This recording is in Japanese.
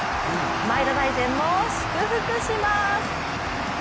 前田大然も祝福します。